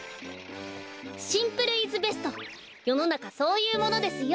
シンプルイズベストよのなかそういうものですよ。